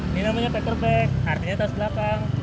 ini namanya pekerbek artinya tas belakang